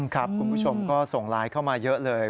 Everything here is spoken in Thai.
คุณผู้ชมก็ส่งไลน์เข้ามาเยอะเลย